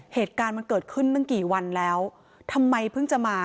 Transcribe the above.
เหตุการณ์มันเกิดขึ้นตั้งกี่วันแล้วทำไมเพิ่งจะมา